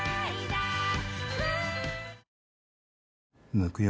抜くよ。